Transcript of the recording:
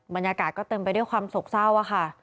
บรรยากาศก็เต็มไปด้วยความโศกเศร้าค่ะ